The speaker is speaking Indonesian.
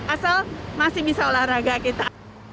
asal masih bisa olahraga kita